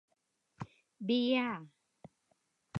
เบียร์ !